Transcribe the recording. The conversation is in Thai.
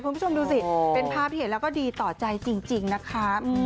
คุณผู้ชมดูสิเป็นภาพที่เห็นแล้วก็ดีต่อใจจริงนะคะ